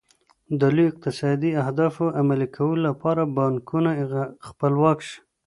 د لوی اقتصاد د اهدافو عملي کولو لپاره بانکونه خپلواک شي.